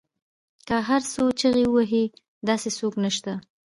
که هر څو چیغې وهي داسې څوک نشته